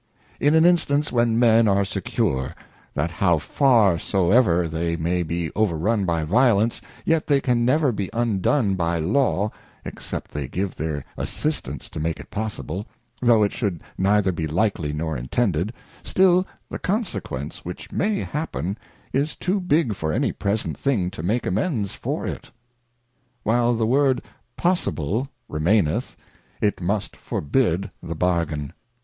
In an instance when Men are secure, that how far soever they inay be over run by Violence, yet they can never be undone by Law, except they give their assistance to make it possible, though it should neither be likely nor intended, still the conse quence which may happen is too big for any present thing to make amends for it. AVhilst the word Po00lbl0 remaineth, it miist forbid the bargain.